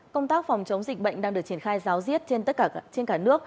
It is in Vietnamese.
công tác phòng chống dịch bệnh đang được triển khai ráo riết trên cả nước